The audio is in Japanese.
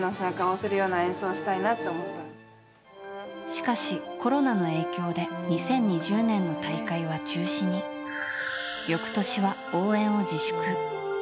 しかし、コロナの影響で２０２０年の大会は中止に翌年は応援を自粛。